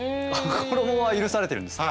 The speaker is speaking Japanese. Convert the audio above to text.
衣は許されてるんですね。